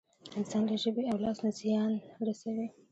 انسان له ژبې او لاس نه زيان رسوي.